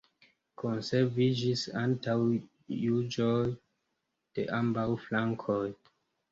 Konserviĝis antaŭjuĝoj de ambaŭ flankoj.